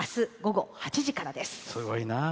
あす、午後８時からです。